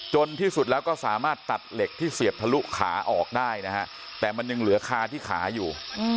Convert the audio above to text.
ที่สุดแล้วก็สามารถตัดเหล็กที่เสียบทะลุขาออกได้นะฮะแต่มันยังเหลือคาที่ขาอยู่